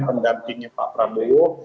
tergantinya pak prabowo